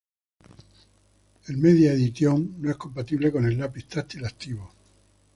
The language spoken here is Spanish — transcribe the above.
El Media Edition no es compatible con el lápiz táctil activo.